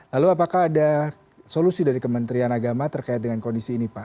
lalu apakah ada solusi dari kementerian agama terkait dengan kondisi ini pak